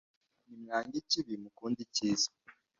Nimwange ikibi, mukunde icyiza,